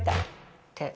って。